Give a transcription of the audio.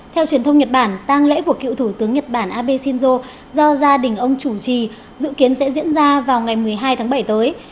theo truyền thông nhật bản tăng lễ của cựu thủ tướng nhật bản abe shinzo do gia đình ông chủ trì dự kiến sẽ diễn ra vào ngày một mươi hai tháng bảy tới